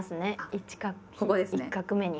１画目に。